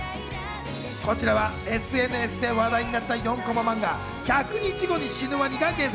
こちらはＳＮＳで話題になった４コマ漫画『１００日後に死ぬワニ』が原作。